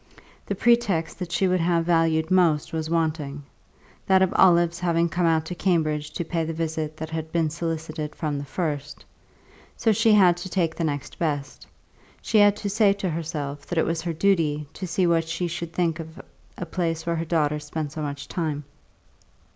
The pretext that she would have valued most was wanting that of Olive's having come out to Cambridge to pay the visit that had been solicited from the first; so she had to take the next best she had to say to herself that it was her duty to see what she should think of a place where her daughter spent so much time.